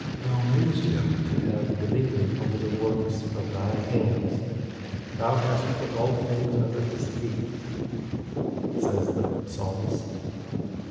'Thou madest him to have dominion over the works of thy hands; thou hast put all things under his feet,' says the Psalmist.